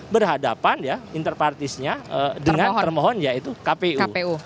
berhadapan ya interpartisnya dengan termohon yaitu kpu